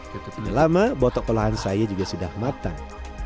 selama botok pelahan saya juga sudah matang